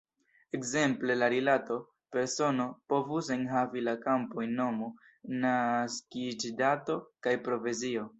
Ekzemple la rilato "persono" povus enhavi la kampojn "nomo", "naskiĝdato" kaj "profesio".